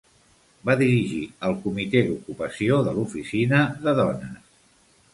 Va dirigir el Comitè d'Ocupació de l'Oficina de Dones.